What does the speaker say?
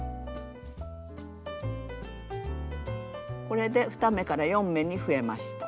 これで２目から４目に増えました。